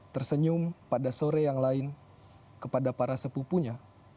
tersenyum pada sore yang lain kepada para sepupunya